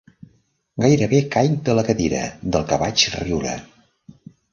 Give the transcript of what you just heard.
Gairebé caic de la cadira del que vaig riure.